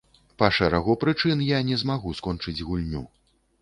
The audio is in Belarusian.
Па шэрагу прычын я не змагу скончыць гульню.